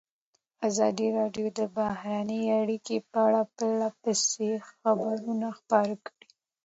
ازادي راډیو د بهرنۍ اړیکې په اړه پرله پسې خبرونه خپاره کړي.